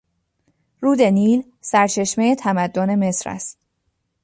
رود نیل سرچشمهی تمدن مصر است.